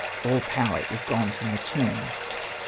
all power is gone from the tomb."